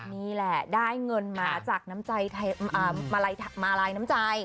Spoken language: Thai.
นี่แหละได้เงินมาจากมาลายน้ำใจ